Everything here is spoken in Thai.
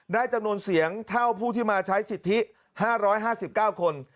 จำนวนเสียงเท่าผู้ที่มาใช้สิทธิ๕๕๙คน